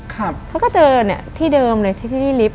เขาก็เจอที่เดิมเลยที่ที่ลิฟต์